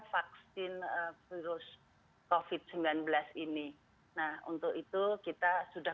vaksin virus covid sembilan belas ini nah untuk itu kita sudah